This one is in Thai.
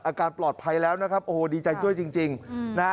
อาการปลอดภัยแล้วนะครับโอ้โหดีใจด้วยจริงนะฮะ